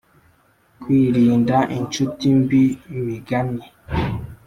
Kwirinda inshuti mbi Imigani